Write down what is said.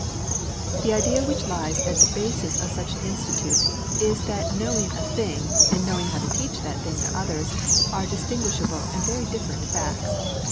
The idea which lies at the basis of such an institute, is that knowing a thing, and knowing how to teach that thing to others, are distinguishable and very different facts.